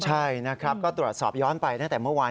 ใช่นะครับก็ตรวจสอบย้อนไปตั้งแต่เมื่อวาน